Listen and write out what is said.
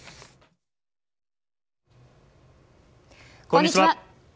こんにちは。